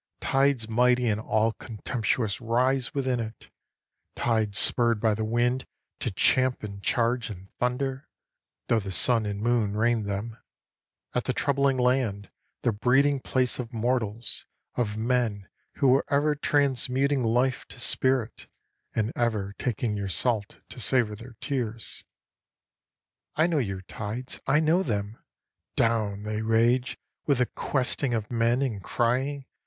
Tides mighty and all contemptuous rise within it, Tides spurred by the wind to champ and charge and thunder Tho the sun and moon rein them At the troubling land, the breeding place of mortals, Of men who are ever transmuting life to spirit, And ever taking your salt to savor their tears. I know your tides, I know them! "Down," they rage, "with the questing of men, and crying!